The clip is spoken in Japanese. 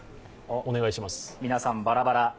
皆さん、バラバラ。